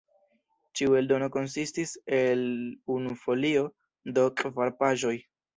Ĉiu eldono konsistis el unu folio, do kvar paĝoj.